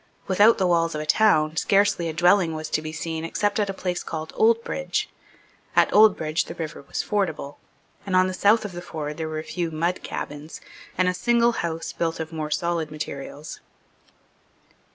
Without the walls of the town, scarcely a dwelling was to be seen except at a place called Oldbridge. At Oldbridge the river was fordable; and on the south of the ford were a few mud cabins, and a single house built of more solid materials.